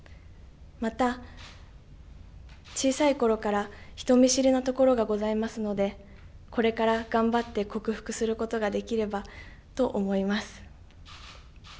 また、小さいころから人見知りなところがございますのでこれから頑張って克服することができればと思います。